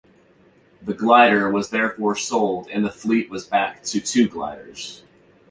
The glider was therefore sold and the fleet was back to two gliders.